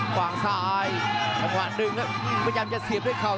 ขวางซ้ายขวางหนึ่งแล้วพยายามจะเสียบด้วยเข่า